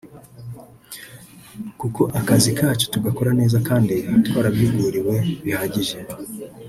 kuko akazi kacu tugakora neza kandi twarabihuguriwe bihagije